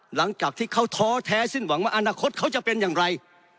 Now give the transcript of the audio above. หลังจากที่เขาท้อแท้สิ้นหวังว่าอนาคตเขาจะเป็นอย่างไร